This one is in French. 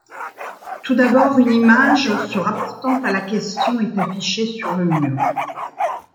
Tout d'abord, une image se rapportant à la question est affichée sur le mur.